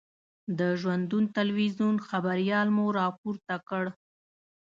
د ژوندون تلویزون خبریال مو را پورته کړ.